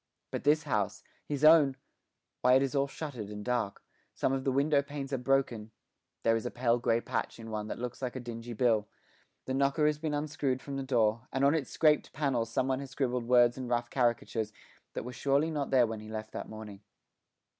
But this house, his own why, it is all shuttered and dark; some of the window panes are broken; there is a pale grey patch in one that looks like a dingy bill; the knocker has been unscrewed from the door, and on its scraped panels someone has scribbled words and rough caricatures that were surely not there when he left that morning.